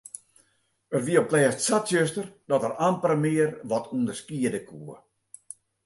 It wie op 't lêst sa tsjuster dat er amper mear wat ûnderskiede koe.